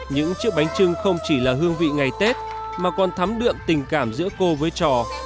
những chiếc bánh trưng không chỉ là hương vị ngày tết mà còn thắm đượm tình cảm giữa cô với trò